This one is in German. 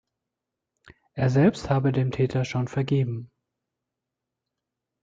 Er selbst habe dem Täter schon vergeben.